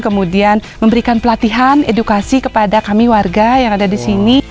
kemudian memberikan pelatihan edukasi kepada kami warga yang ada di sini